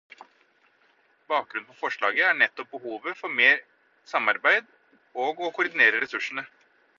Bakgrunnen for forslaget er nettopp behovet for mer samarbeid og å koordinere ressursene.